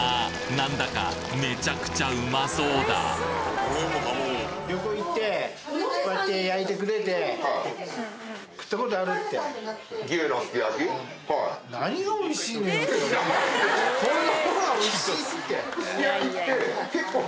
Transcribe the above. なんだかめちゃくちゃうまそうだうん。